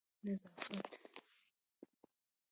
نظافت